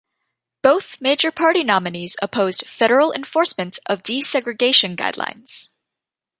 Both major party nominees opposed federal enforcement of desegregation guidelines.